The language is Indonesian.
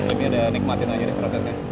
lebih udah nikmatin aja deh prosesnya